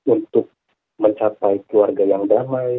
untuk mencapai keluarga yang damai